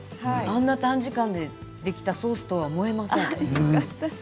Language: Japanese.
あんな短時間でできたソースとは思えません。